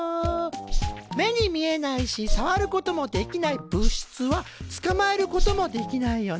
目に見えないしさわることもできない物質はつかまえることもできないよね。